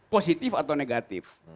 positif atau negatif